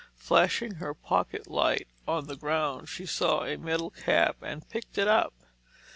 Flashing her pocket light on the ground she saw a metal cap and picked it up.